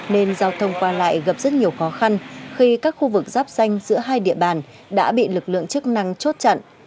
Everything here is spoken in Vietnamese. nên giao thông qua lại gặp rất nhiều khó khăn khi các khu vực giáp xanh giữa hai địa bàn đã bị lực lượng chức năng chốt chặn